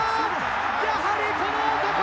やはりこの男！